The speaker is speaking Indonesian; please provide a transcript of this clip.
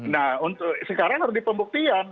nah sekarang harus dipembuktikan